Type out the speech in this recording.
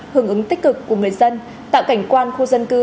hưởng ứng tích cực của người dân tạo cảnh quan khu dân cư